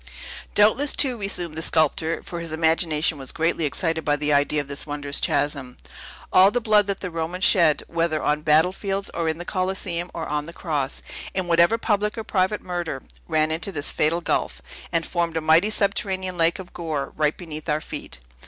"Doubtless, too," resumed the sculptor (for his imagination was greatly excited by the idea of this wondrous chasm), "all the blood that the Romans shed, whether on battlefields, or in the Coliseum, or on the cross, in whatever public or private murder, ran into this fatal gulf, and formed a mighty subterranean lake of gore, right beneath our feet.